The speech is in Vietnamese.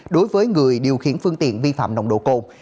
đối với người điều khiển phương tiện vi phạm nồng độ cồn